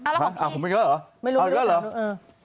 อะไรของพี่อ๋อผมอีกแล้วเหรอไม่รู้เลยเหรอเออ